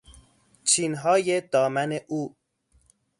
چینهای دامن او